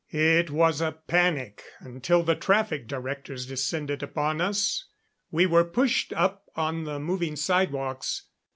It was a panic until the traffic directors descended upon us. We were pushed up on the moving sidewalks.